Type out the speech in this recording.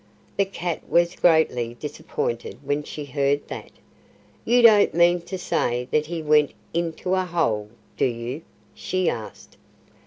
The cat was greatly disappointed when she heard that. "You don't mean to say that he went into a hole, do you?" she asked.